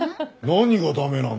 何が駄目なんだよ？